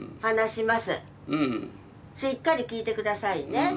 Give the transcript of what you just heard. しっかり聞いて下さいね。